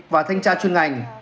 và thanh tra chuyên ngành